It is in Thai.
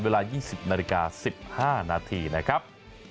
เวลา๒๐นาฬิกา๑๕นาทีนะครับ